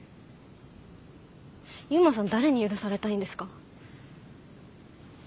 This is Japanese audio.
悠磨さん誰に許されたいんですか？